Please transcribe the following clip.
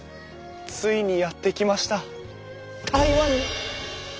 ついにやって来ました台湾に！